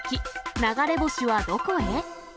流れ星はどこへ？